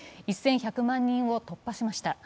１１００万人を突破しました。